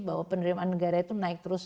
bahwa penerimaan negara itu naik terus